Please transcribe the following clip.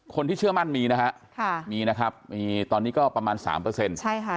คนที่เชื่อมั่นมีนะคะมีนะครับมีตอนนี้ก็ประมาณ๓ใช่ค่ะ